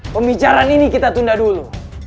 pembicaraan ini kita tunda dulu